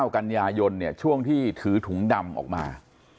กันยายนช่วงที่ถือถุงดำออกมา